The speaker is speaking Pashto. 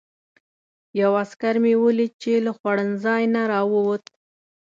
یو عسکر مې ولید چې له خوړنځای نه راووت.